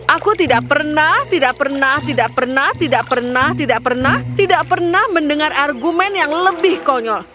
aku tidak pernah tidak pernah tidak pernah tidak pernah tidak pernah tidak pernah mendengar argumen yang lebih konyol